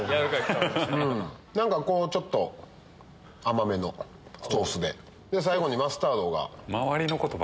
何かちょっと甘めのソースで最後にマスタードが。